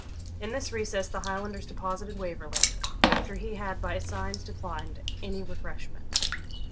In this recess the Highlanders deposited Waverley, after he had by signs declined any refreshment.